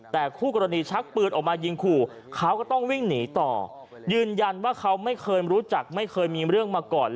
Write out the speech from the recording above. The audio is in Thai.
แต่คู่กรณีชักปืนออกมายิงขู่เขาก็ต้องวิ่งหนีต่อยืนยันว่าเขาไม่เคยรู้จักไม่เคยมีเรื่องมาก่อน